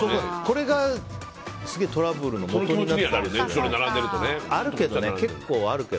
これがすげえトラブルのもとになったりするよね。